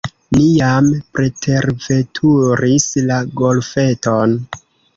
Ni jam preterveturis la golfeton.